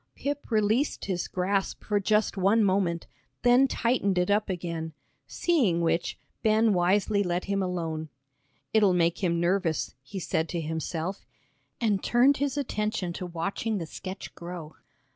Pip released his grasp for just one moment, then tightened it up again. Seeing which, Ben wisely let him alone. "It'll make him nervous," he said to himself, and turned his attention to watching the sketch grow.